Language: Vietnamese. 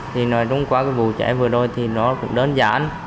thì nói đúng quá với vụ chảy vừa đôi thì nó cũng đơn giản